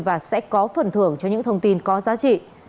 và sẽ có phần thưởng cho những thông tin có giá trị